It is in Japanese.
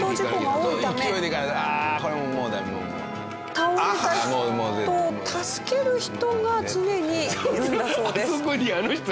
倒れた人を助ける人が常にいるんだそうです。